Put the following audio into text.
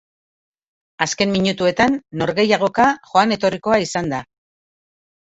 Azken minutuetan norgehiagoka joan-etorrikoa izan da.